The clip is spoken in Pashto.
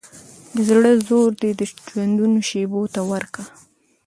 د زړه زور دي د ژوندون شېبو ته وركه